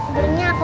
beli kayak baja